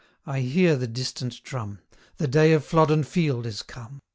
I hear the distant drum! The day of Flodden Field is come.